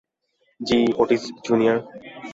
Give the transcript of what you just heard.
জ্বি, Otis junior.